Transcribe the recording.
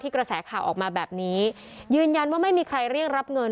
กระแสข่าวออกมาแบบนี้ยืนยันว่าไม่มีใครเรียกรับเงิน